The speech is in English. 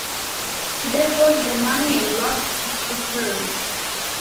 That was the money I lost at baccarat.